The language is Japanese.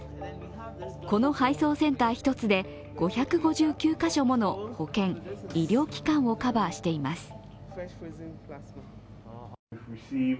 この配送センター１つで５５９カ所もの保健・医療機関をカバーしています。